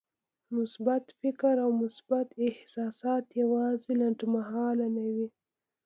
مثبت فکر او مثبت احساسات يوازې لنډمهاله نه وي.